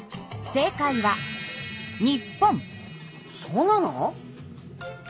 そうなの？